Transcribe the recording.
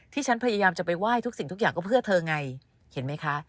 ที่ฉันพยายามจะไปไหว้ทุกสิ่งทุกอย่างก็เพื่อเธอไงเห็นไหมคะ